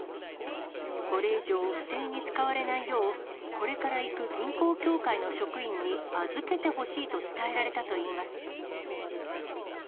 これ以上、不正に使われないよう、これから行く銀行協会の職員に預けてほしいと伝えられたといいます。